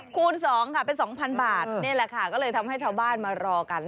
คูณ๒ค่ะเป็น๒๐๐บาทนี่แหละค่ะก็เลยทำให้ชาวบ้านมารอกัน